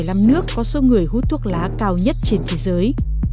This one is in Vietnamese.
cũng là một trong một mươi năm nước có số người hút thuốc lá cao nhất trên thế giới